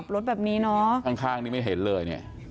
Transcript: ตรงข้างนี่ไม่เห็นเลย